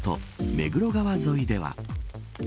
目黒川沿いでは。